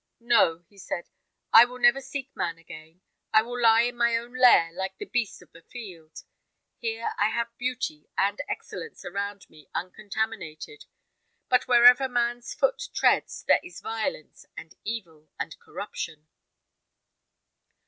"No," he said, "I will never seek man again! I will lie in my own lair, like the beast of the field. Here I have beauty and excellence around me uncontaminated; but wherever man's foot treads, there is violence, and evil, and corruption."